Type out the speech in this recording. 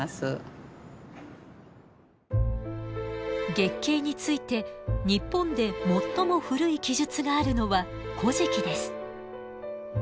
月経について日本で最も古い記述があるのは「古事記」です。